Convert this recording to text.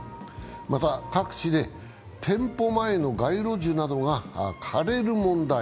また各地で店舗前の街路樹などが枯れる問題。